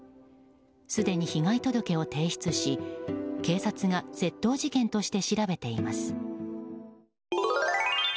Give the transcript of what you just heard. すでに被害届を提出し警察が窃盗事件として調べています。